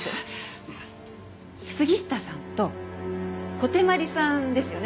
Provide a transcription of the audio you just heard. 杉下さんと小手鞠さんですよね。